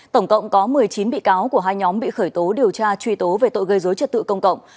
tổng cộng có một mươi chín bị cáo của hai nhóm bị khởi tố điều tra truy tố về tội gây dối trật tự công cộng